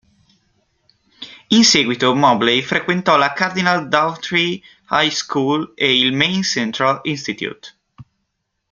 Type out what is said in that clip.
In seguito, Mobley frequentò la Cardinal Dougherty High School e il Maine Central Institute.